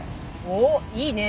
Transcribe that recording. おっいいね。